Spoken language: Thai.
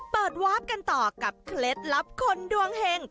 วาฟกันต่อกับเคล็ดลับคนดวงเห็ง